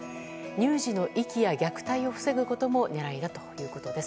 乳児の遺棄や虐待を防ぐことも狙いだということです。